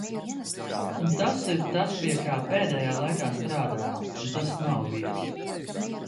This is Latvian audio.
Un tas ir tas pie kā pēdējā laikā strādāju un tas nav viegli.